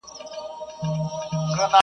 تاسي یې وګوری مېلمه دی که شیطان راغلی!